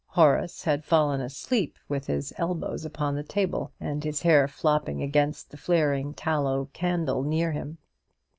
Horace had fallen asleep, with his elbows upon the table, and his hair flopping against the flaring tallow candle near him.